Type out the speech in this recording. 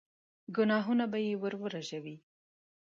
ګناهونه به يې ور ورژوي.